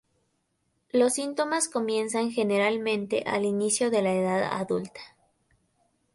Los síntomas comienzan generalmente al inicio de la edad adulta.